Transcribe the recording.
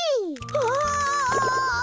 はあ！